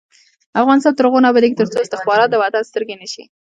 افغانستان تر هغو نه ابادیږي، ترڅو استخبارات د وطن سترګې نشي.